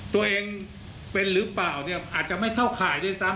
ตัวเองเป็นหรือเปล่าเนี่ยอาจจะไม่เข้าข่ายด้วยซ้ำ